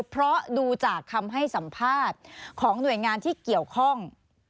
เพราะดูจากคำให้สัมภาษณ์ของหน่วยงานที่เกี่ยวข้อง